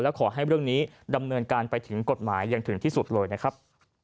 ขอให้เรื่องนี้ดำเนินการไปถึงกฎหมายอย่างถึงที่สุดเลยนะครับ